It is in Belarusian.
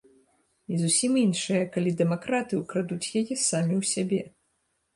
І зусім іншая, калі дэмакраты ўкрадуць яе самі ў сябе.